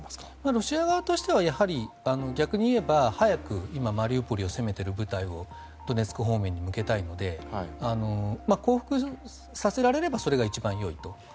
ロシア側としては逆に言えば早く今マリウポリを攻めている部隊をドネツク方面に向けたいので降伏させられればそれが一番よいと。